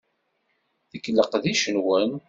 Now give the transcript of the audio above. Deg leqdic-nwen.